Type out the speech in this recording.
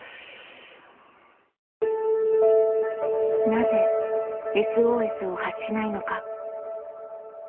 なぜＳＯＳを発しないのか？